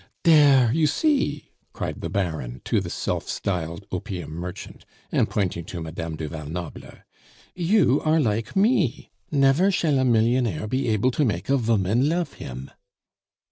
"Dere! you see!" cried the Baron to the self styled opium merchant, and pointing to Madame du Val Noble. "You are like me. Never shall a millionaire be able to make a voman lofe him."